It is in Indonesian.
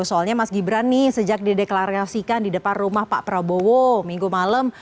soalnya mas gibran nih sejak dideklarasikan di depan rumah pak prabowo minggu malam